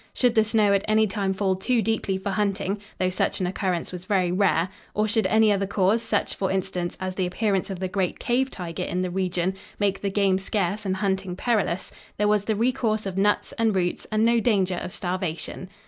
Should the snow at any time fall too deeply for hunting though such an occurrence was very rare or should any other cause, such, for instance, as the appearance of the great cave tiger in the region, make the game scarce and hunting perilous, there was the recourse of nuts and roots and no danger of starvation.